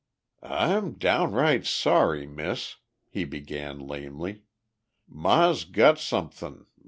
"I'm downright sorry, Miss," he began lamely. "Ma's got somethin' ...